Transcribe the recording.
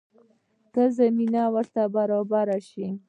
که زمینه ورته برابره شي.